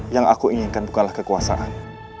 yang aku inginkan bukanlah kekuasaan